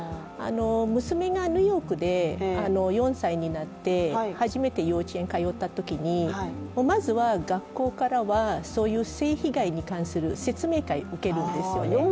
娘がニューヨークで４歳になって初めて幼稚園に通ったときに、まずは学校からはそういう性被害に関する説明会、受けるんですよ。